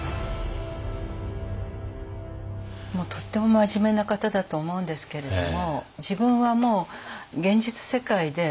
とっても真面目な方だと思うんですけれども自分はもう現実世界でトップですよ。